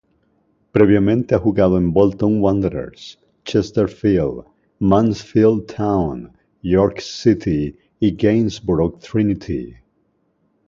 Previamente ha jugado en Bolton Wanderers, Chesterfield, Mansfield Town, York City y Gainsborough Trinity.